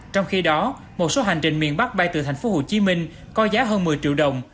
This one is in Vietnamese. trong khi đó một số hành trình miền bắc bay từ thành phố hồ chí minh có giá hơn một mươi triệu đồng